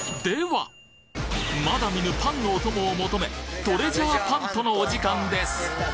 まだ見ぬパンのお供を求めトレジャーパントのお時間です！